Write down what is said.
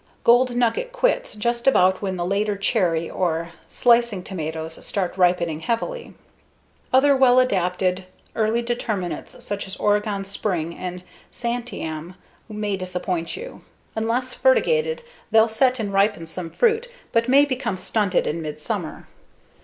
Gold Nugget quits just about when the later cherry or slicing tomatoes start ripening heavily. Other well adapted early determinates such as Oregon Spring and Santiam may disappoint you. Unless fertigated, they'll set and ripen some fruit but may become stunted in midsummer.